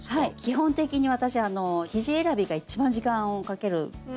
基本的に私生地選びが一番時間をかけるポイントで。